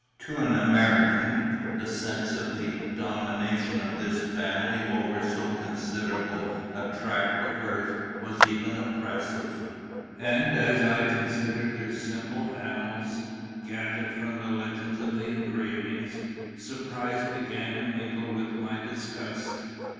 To an American, the sense of the domination of this family over so considerable a tract of earth was even oppressive; and as I considered their simple annals, gathered from the legends of the engravings, surprise began to mingle with my disgust.